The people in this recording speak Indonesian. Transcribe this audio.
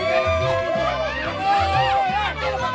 masuk masuk masuk masuk